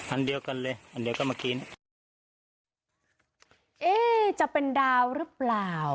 อันเดียวกันเลยอันเดียวก็เมื่อกี้เนี้ยเอ๊ะจะเป็นดาวหรือเปล่า